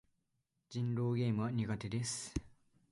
人狼ゲームは苦手です。